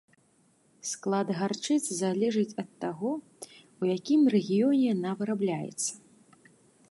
Склад гарчыцы залежыць ад таго, у якім рэгіёне яна вырабляецца.